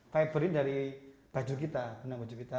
fiber ini dari baju kita benang baju kita